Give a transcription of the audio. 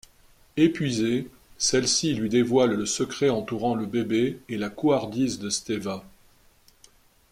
Épuisée, celle-ci lui dévoile le secret entourant le bébé et la couardise de Števa.